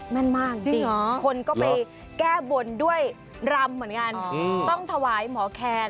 แม่นมากจริงคนก็ไปแก้บนด้วยรำเหมือนกันต้องถวายหมอแคน